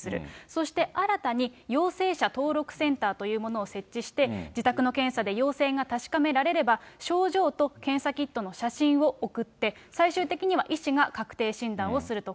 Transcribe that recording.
そして、新たに陽性者登録センターというものを設置して、自宅の検査で陽性が確かめられれば、症状と検査キットの写真を送って、最終的には医師が確定診断をすると。